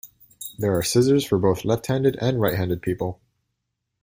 There are scissors for both left-handed and right-handed people.